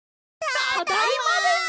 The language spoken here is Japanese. ただいまです！